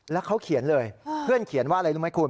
แล้วเขาเขียนเลยเพื่อนเขียนว่าอะไรรู้ไหมคุณ